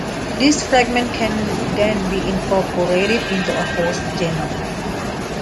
This fragment can then be incorporated into a host genome.